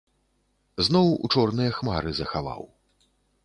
Зноў у чорныя хмары захаваў.